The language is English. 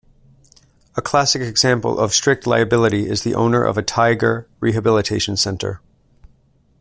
A classic example of strict liability is the owner of a tiger rehabilitation center.